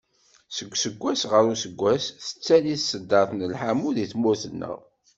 Seg useggas ɣer useggas tettali tseddart n lḥamu deg tmurt-nneɣ